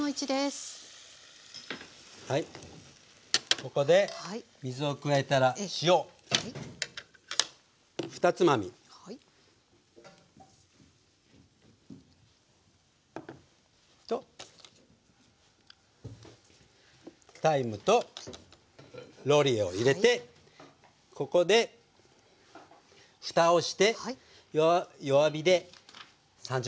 ここで水を加えたら塩２つまみ。とタイムとローリエを入れてここでふたをして弱火で３０分くらい煮詰めます。